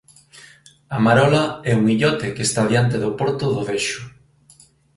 A Marola é un illote que está diante do porto de Dexo.